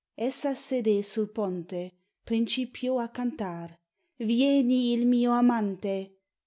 Essa sedé sul ponte, Principiò a cantar: "Vieni il mio amante!"